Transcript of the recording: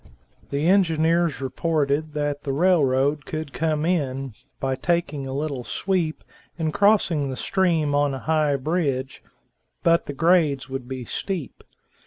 The engineers reported that the railroad could come in, by taking a little sweep and crossing the stream on a high bridge, but the grades would be steep.